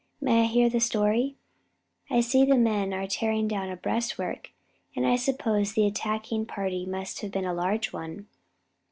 "May I hear the story? I see the men are tearing down a breastwork and I suppose the attacking party must have been a large one."